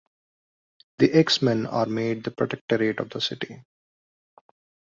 The X-Men are made the protectorate of the city.